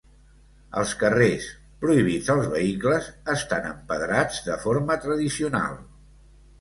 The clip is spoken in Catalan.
Els carrers, prohibits als vehicles, estan empedrats de forma tradicional.